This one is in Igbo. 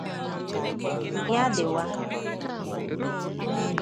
Ya dịwa!